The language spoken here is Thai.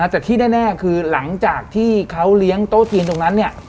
แต่ที่แน่คือหลังจากที่เขาเลี้ยงโต๊ะจีนตรงนั้นเนี่ย